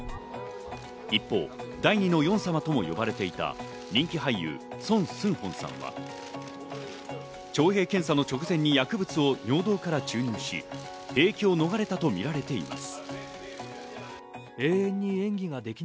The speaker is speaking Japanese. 一方、第２のヨン様と言われていた人気俳優・ソン・スンホンさんは徴兵検査の直前に薬物を尿道から注入し、兵役を逃れたとみられています。